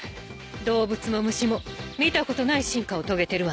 動物も虫も見たことない進化を遂げてるわね